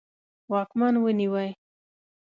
واکمن ونیوی.